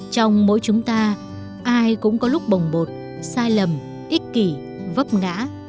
trong mỗi chúng ta ai cũng có lúc bồng bột sai lầm ích kỷ vấp ngã